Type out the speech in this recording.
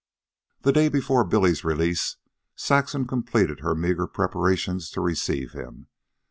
The day before Billy's release Saxon completed her meager preparations to receive him.